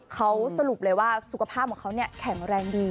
เขาสรุปเลยว่าสุขภาพของเขาแข็งแรงดี